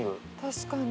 確かに。